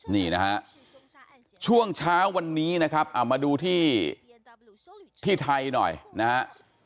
นี่นะฮะช่วงเช้าวันนี้นะครับเอามาดูที่ที่ไทยหน่อยนะฮะ